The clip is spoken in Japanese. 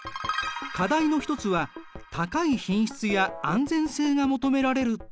課題の一つは高い品質や安全性が求められるということ。